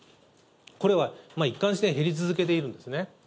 これは一貫して減り続けているんですね。